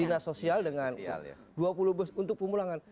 dinas sosial dengan dua puluh bus untuk pemulangan